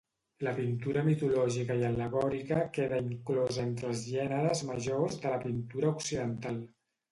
La pintura mitològica i al·legòrica queda inclosa entre els gèneres majors de la pintura occidental.